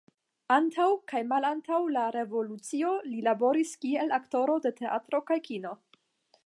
Antaŭ kaj malantaŭ la revolucio li laboris kiel aktoro de teatro kaj kino.